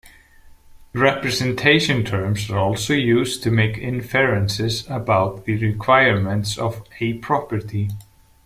Representation Terms are also used to make inferences about the requirements of a property.